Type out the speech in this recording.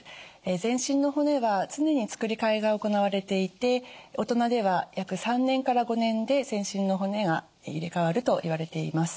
全身の骨は常につくり替えが行われていて大人では約３年から５年で全身の骨が入れ替わるといわれています。